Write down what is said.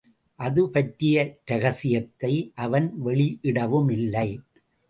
அதுபற்றிய ரகசியத்தை அவன் வெளியிடவுமில்லை.